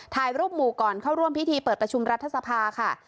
ถ่ายรูปหมู่ก่อนเข้าร่วมพิธีเปิดประชุมรัฐสภาค่ะ